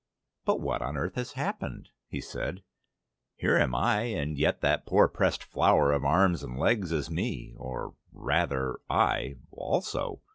"But what on earth has happened?" he said. "Here am I, and yet that poor pressed flower of arms and legs is me or rather I also.